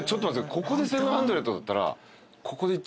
ここで７００だったら。